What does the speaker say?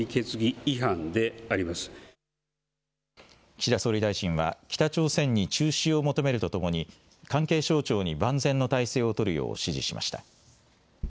岸田総理大臣は、北朝鮮に中止を求めるとともに、関係省庁に万全の態勢を取るよう指示しました。